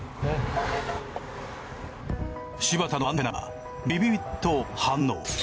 芝田のアンテナがビビビッと反応。